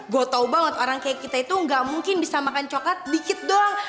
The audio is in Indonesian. gue tau banget orang kayak kita itu gak mungkin bisa makan coklat dikit doang